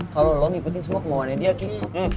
kalau lo ngikutin semua kemauannya dia lo bakal jadi paham